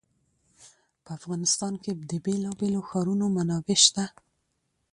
په افغانستان کې د بېلابېلو ښارونو منابع شته.